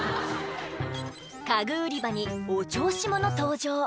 家具売り場にお調子者登場